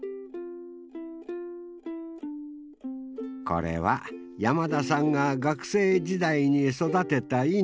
これは山田さんが学生時代に育てた稲。